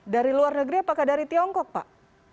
dari luar negeri apakah dari tiongkok pak